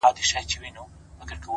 ژمنتیا هدف ژوندی ساتي؛